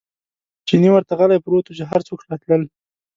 چیني ورته غلی پروت و، چې هر څوک راتلل.